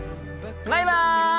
バイバイ！